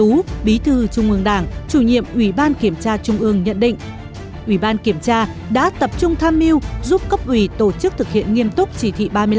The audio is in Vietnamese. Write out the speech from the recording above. ủy ban kiểm tra đã tập trung tham mưu giúp cấp ủy tổ chức thực hiện nghiêm túc chỉ thị ba mươi năm